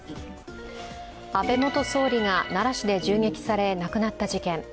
安倍元総理が奈良市で銃撃され亡くなった事件。